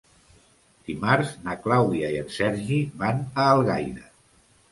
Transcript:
Dimarts na Clàudia i en Sergi van a Algaida.